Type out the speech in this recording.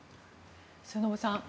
末延さん